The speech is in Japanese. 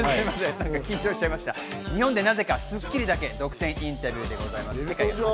日本でなぜか『スッキリ』だけ独占インタビューでございます。